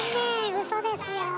うそですよ。